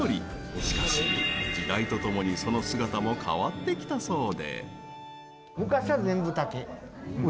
しかし時代とともにその姿も変わってきたそうで。